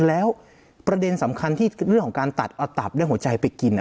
แล้วประเด็นสำคัญที่เรื่องของการตัดเอาตับเรื่องหัวใจไปกิน